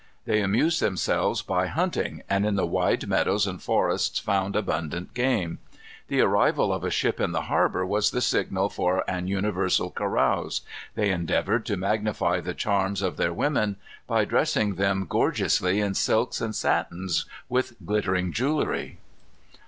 They amused themselves by hunting, and in the wide meadows and forests found abundant game. The arrival of a ship in the harbor was the signal for an universal carouse. They endeavored to magnify the charms of their women by dressing them gorgeously in silks and satins, with glittering jewelry.